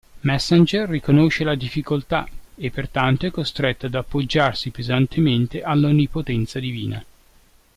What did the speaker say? Messenger riconosce la difficoltà e pertanto è costretto ad appoggiarsi pesantemente all'onnipotenza divina.